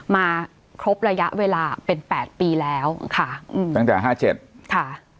มาครบระยะเวลาเป็นแปดปีแล้วค่ะอืมตั้งแต่ห้าเจ็ดค่ะ